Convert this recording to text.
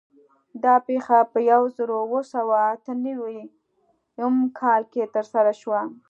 دا پېښه په یو زرو اوه سوه اته نوي م کال کې ترسره شوه.